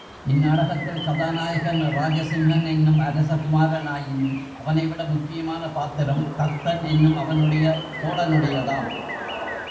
இந்நாடகத்தில் கதாநாயகன் ராஜஸிம்ஹன் எனும் அரசகுமாரனாயினும், அவனைவிட முக்கியமான பாத்திரம் தத்தன் என்னும் அவனுடைய தோழனுடையதாம்.